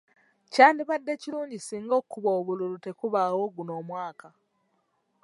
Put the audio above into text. Kyandibadde kirungi singa okubba obululu tekubaawo guno omwaka .